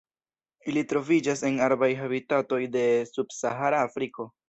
Ili troviĝas en arbaraj habitatoj de subsahara Afriko.